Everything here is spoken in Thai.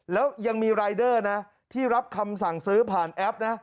แล้วยังมีรายเดอร์นะที่รับคำสั่งซื้อผ่านแอปนะ